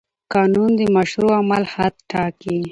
قانون د مشروع عمل حد ټاکي.